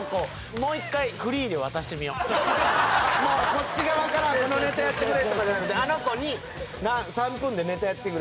こっち側からこのネタやってくれとかじゃなくてあの子に「３分でネタやってくれ」